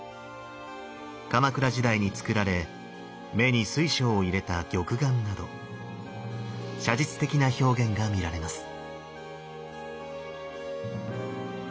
鎌倉時代に造られ目に水晶を入れた玉眼など写実的な表現が見られます。